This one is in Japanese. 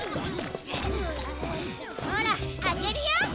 ほらあけるよ！